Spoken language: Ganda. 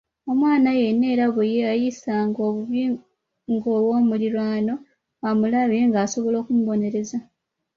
Omwana yenna era bwe yayisanga obubi ng’ow’omuliraano amulabye ng’asobola okumubonereza.